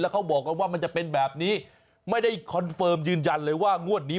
เขาบอกกันว่ามันจะเป็นแบบนี้ไม่ได้คอนเฟิร์มยืนยันเลยว่างวดนี้